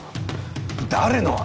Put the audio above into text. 誰の？